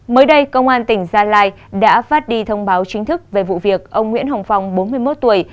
mới đây công an tỉnh gia lai đã phát đi thông báo chính thức về vụ việc ông nguyễn hồng phong bốn mươi một tuổi